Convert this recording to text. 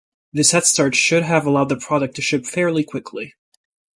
This head start should have allowed the product to ship fairly quickly.